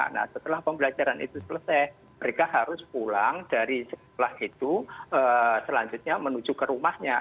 nah setelah pembelajaran itu selesai mereka harus pulang dari sekolah itu selanjutnya menuju ke rumahnya